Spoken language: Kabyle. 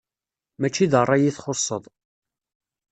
Mačči d ṛṛay i txuṣṣeḍ.